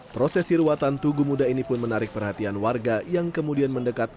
prosesi ruatan tugu muda ini pun menarik perhatian warga yang kemudian mendekat